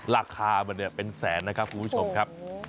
ราคามันเนี่ยเป็นแสนนะครับคุณผู้ชมครับ